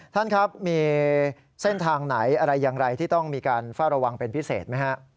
ท่านครับมีเส้นทางไหนอะไรอย่างไรที่ต้องมีการเฝ้าระวังเป็นพิเศษไหมฮะ